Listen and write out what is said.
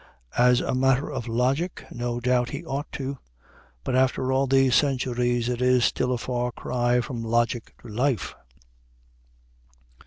As a matter of logic, no doubt he ought to; but after all these centuries, it is still a far cry from logic to life.